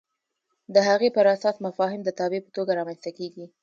د هغې پر اساس مفاهیم د تابع په توګه رامنځته کېږي.